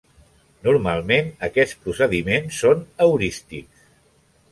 Normalment, aquests procediments són heurístics.